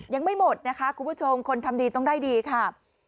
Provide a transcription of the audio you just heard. ยังไม่หมดนะคะคุณผู้ชมคนทำดีต้องได้ดีค่ะ